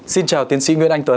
xin chào tiến sĩ nguyễn anh tuấn